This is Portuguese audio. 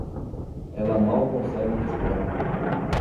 Ela mal consegue respirar